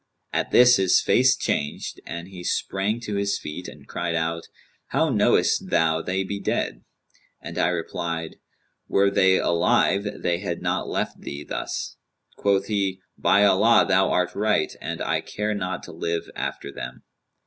At this his face changed and he sprang to his feet and cried out, 'How knowest thou they be dead?;' and I replied, 'Were they alive they had not left thee thus.' Quoth he, 'By Allah, thou art right, and I care not to live after them.'